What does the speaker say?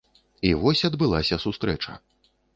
І вось адбылася сустрэча.